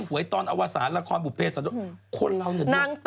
แต่คนเอาไปตีกันเดียวดีไหม